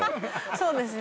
そうですね